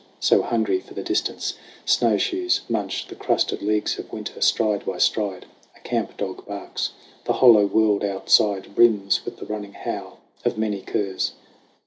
So, hungry for the distance, snowshoes munch The crusted leagues of Winter, stride by stride. A camp dog barks ; the hollow world outside Brims with the running howl of many curs.